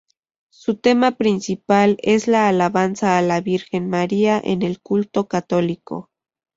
Su tema principal es la alabanza a la virgen María en el culto católico.